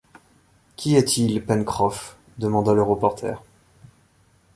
Qu’y a-t-il, Pencroff ? demanda le reporter.